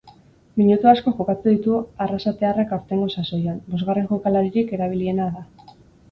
Minutu asko jokatu ditu arrasatearrak aurtengo sasoian, bosgarren jokalaririk erabiliena da.